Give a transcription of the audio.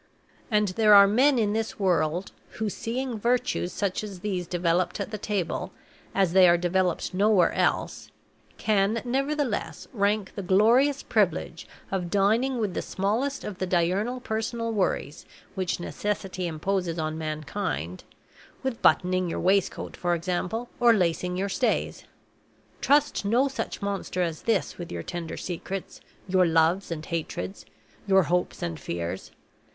And there are men in this world who, seeing virtues such as these developed at the table, as they are developed nowhere else, can, nevertheless, rank the glorious privilege of dining with the smallest of the diurnal personal worries which necessity imposes on mankind with buttoning your waistcoat, for example, or lacing your stays! Trust no such monster as this with your tender secrets, your loves and hatreds, your hopes and fears.